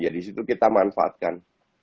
di situ kita memanfaatkan